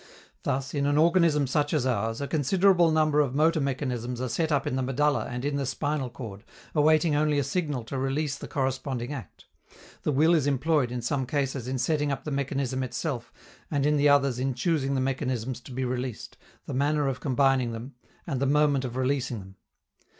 Thus, in an organism such as ours, a considerable number of motor mechanisms are set up in the medulla and in the spinal cord, awaiting only a signal to release the corresponding act: the will is employed, in some cases, in setting up the mechanism itself, and in the others in choosing the mechanisms to be released, the manner of combining them and the moment of releasing them.